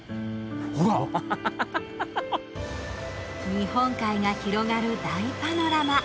日本海が広がる大パノラマ。